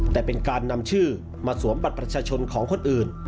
แต่เป็นการนำชื่อมาสวมบัตรประชาชนของคนอื่น